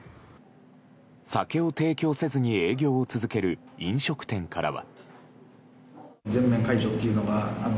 酒を提供せずに営業を続ける飲食店からは。